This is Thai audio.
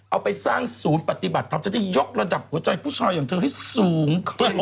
เอาไปสร้างศูนย์ปฏิบัติจะยกระดับของกระจายผู้ชายของเธอให้สูง